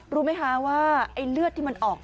รู้ไหมคะว่าไอ้เลือดที่มันออก